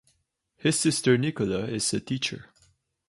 His sister Nicola is a teacher.